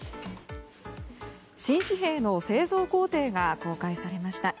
新紙幣の製造工程が公開されました。